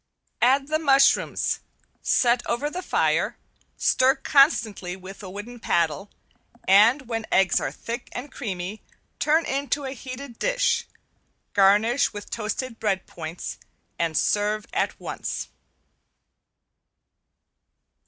Add the mushrooms, set over the fire, stir constantly with wooden paddle, and when eggs are thick and creamy turn into a heated dish, garnish with toasted bread points, and serve at once.